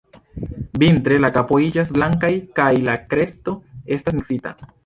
Vintre, la kapo iĝas blankaj kaj la kresto estas miksita.